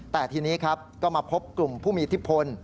แต่ทีนี้ก็มาพบกลุ่มผู้มีทิศพล